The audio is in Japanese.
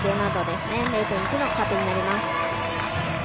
０．１の加点になります。